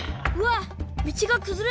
みちがくずれた！